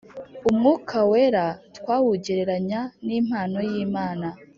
Umwuka wera twawugereranya n impano y imana